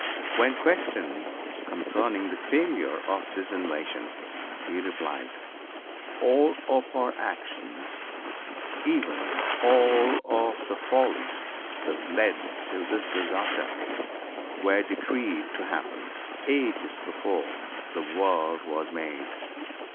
When questioned concerning the failure of this invasion he replied: "All of our actions, even all of the follies that led to this disaster, were decreed to happen ages before the world was made."